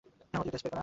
অর্থাৎ স্প্রে করা।